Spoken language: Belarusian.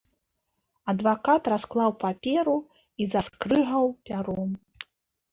Адвакат расклаў паперу і заскрыгаў пяром.